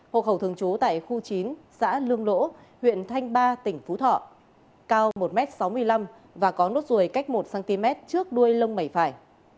hộ khẩu thường trú tại khu chín xã lương lỗ huyện thanh ba tỉnh phú thọ cao một m sáu mươi năm và có nốt ruồi cách một cm trước đuôi lông mẩy phải